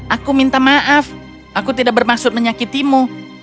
aku minta maaf aku tidak bermaksud menyakitimu